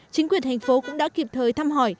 chính quyền thành phố cũng đã kịp thời thăm hỏi